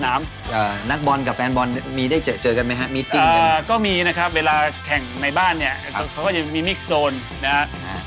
ในบ้านเนี่ยเขาก็จะมีมิกโซนนะครับ